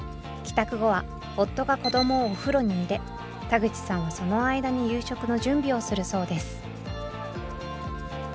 帰宅後は夫が子供をお風呂に入れ田口さんはその間に夕食の準備をするそうです。